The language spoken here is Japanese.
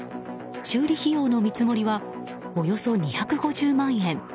修理費用の見積もりはおよそ２５０万円。